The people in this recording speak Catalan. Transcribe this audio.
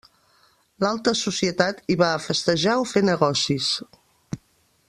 L'alta societat hi va a festejar o fer negocis.